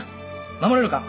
守れるか？